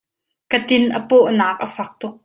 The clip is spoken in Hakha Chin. Ka tin a pawh naak a fak tuk.